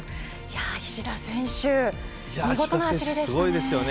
石田選手、見事な走りでしたね。